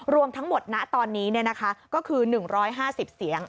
รวมทั้งหมดนะตอนนี้ก็คือ๑๕๐เสียง